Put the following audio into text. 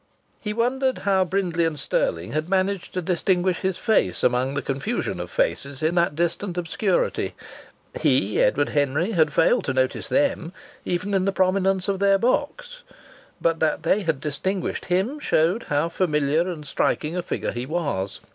He wondered how Brindley and Stirling had managed to distinguish his face among the confusion of faces in that distant obscurity; he, Edward Henry, had failed to notice them, even in the prominence of their box. But that they had distinguished him showed how familiar and striking a figure he was.